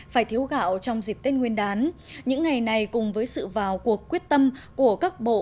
phải thiếu gạo trong dịp tết nguyên đán những ngày này cùng với sự vào cuộc quyết tâm của các bộ